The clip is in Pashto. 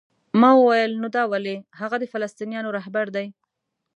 ما وویل: نو دا ولې؟ هغه د فلسطینیانو رهبر دی؟